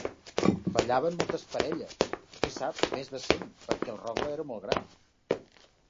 Ballaven moltes parelles, qui sap, més de cent, perquè el rogle era molt gran.